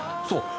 そう。